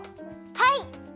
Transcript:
はい！